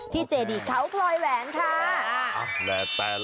เจดีเขาพลอยแหวนค่ะ